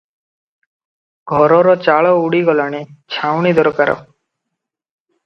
ଘରର ଚାଳ ଉଡ଼ିଗଲାଣି, ଛାଉଣି ଦରକାର ।